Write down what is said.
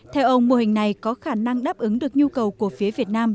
theo ông mô hình này có khả năng đáp ứng được nhu cầu của phía việt nam